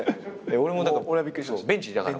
俺もだからベンチいたから。